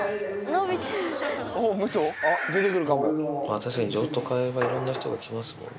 確かに譲渡会は、いろんな人が来ますもんね。